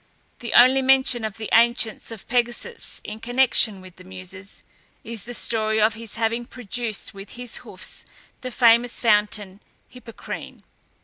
The only mention by the ancients of Pegasus in connection with the Muses, is the story of his having produced with his hoofs, the famous fountain Hippocrene.